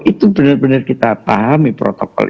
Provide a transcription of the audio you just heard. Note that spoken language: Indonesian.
itu benar benar kita pahami protokol